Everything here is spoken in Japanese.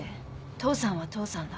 父さんは父さんだ。